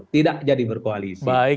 tidak jadi berkoalisi